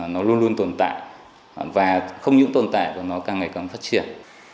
nó luôn luôn tồn tại và không những tồn tại và nó càng ngày càng phát triển